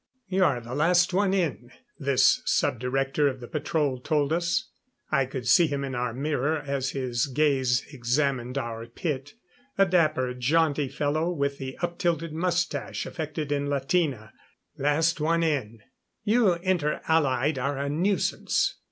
"You are the last one in," this sub director of the patrol told us. I could see him in our mirror as his gaze examined our pit a dapper, jaunty fellow with the up tilted mustache affected in Latina. "Last one in you Inter Allied are a nuisance."